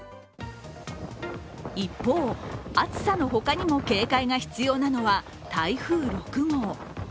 一方、暑さのほかにも警戒が必要なのは、台風６号。